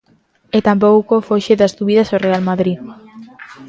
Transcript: E tampouco foxe das dúbidas o Real Madrid.